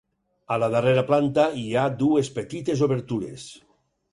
A la darrera planta hi ha dues petites obertures.